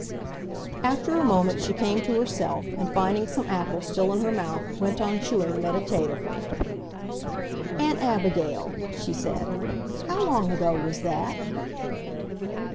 After a moment she came to herself, and finding some apple still in her mouth, went on chewing meditatively. "Aunt Abigail," she said, "how long ago was that?"